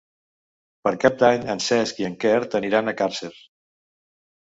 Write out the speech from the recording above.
Per Cap d'Any en Cesc i en Quer aniran a Càrcer.